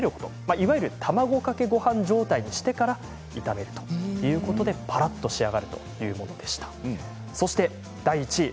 いわゆる卵かけごはん状態にしてから炒めるということでぱらっと仕上がるというものでした。